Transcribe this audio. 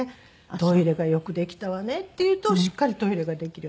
「トイレがよくできたわね！」って言うとしっかりトイレができる。